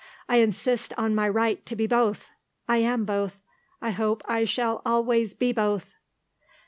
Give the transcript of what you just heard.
I insist on my right to be both. I am both. I hope I shall always be both."